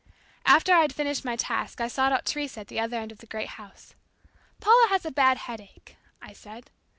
After I'd finished my task I sought out Teresa at the other end of the great house. "Paula has a bad headache," I said.